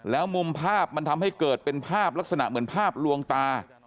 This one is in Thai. แล้วมุมภาพมันทำให้เกิดเป็นภาพลักษณะเหมือนภาพลวงตา